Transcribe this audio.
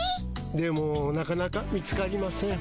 でもなかなか見つかりません。